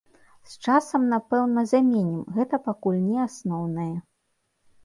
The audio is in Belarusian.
З часам, напэўна, заменім, гэта пакуль не асноўнае.